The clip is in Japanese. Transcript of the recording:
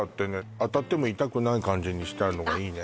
当たっても痛くない感じにしてあるのがいいね